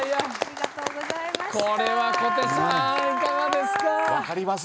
これは小手さんいかがですか？